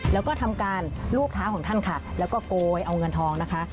แล้วก็ทำการรูปเท้าของท่านค่ะแล้วก็โกยเอาเงินทองนะคะ